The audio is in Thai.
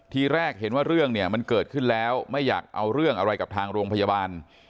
ทีแรกเห็นว่าเรื่องเนี่ยมันเกิดขึ้นแล้วไม่อยากเอาเรื่องอะไรกับทางโรงพยาบาล